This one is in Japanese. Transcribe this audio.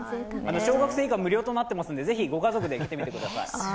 小学生以下、無料となっていますので、ぜひご家族で来てください。